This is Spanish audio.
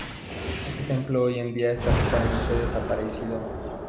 Este templo hoy en día esta totalmente desaparecido.